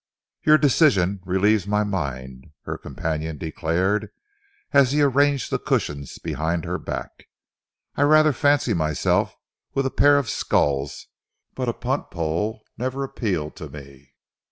"Your decision relieves my mind," her companion declared, as he arranged the cushions behind her back. "I rather fancy myself with a pair of sculls, but a punt pole never appealed to me.